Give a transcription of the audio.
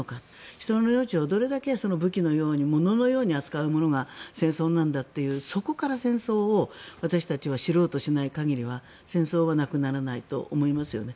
人の命をどれだけ、武器のように物のように扱うものが戦争なんだというそこから戦争を私たちは知ろうとしない限りは戦争はなくならないと思いますね。